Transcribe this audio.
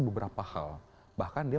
beberapa hal bahkan dia